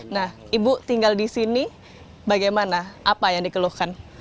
nah ibu tinggal di sini bagaimana apa yang dikeluhkan